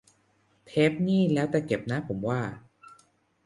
เทปนี่แล้วแต่เก็บนะ ผมว่า